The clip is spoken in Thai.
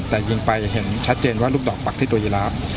แต่ยิงไปเห็นชัดเจนว่าลูกดอกปักที่ตัวยีราฟ